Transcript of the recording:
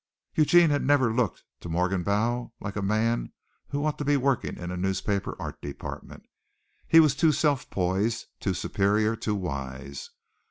Eugene had never looked to Morgenbau like a man who ought to be working in a newspaper art department. He was too self poised, too superior, too wise.